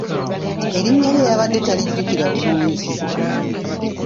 Erinnya lye yabadde talijjukira bulungi.